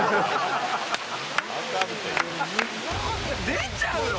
出ちゃうの？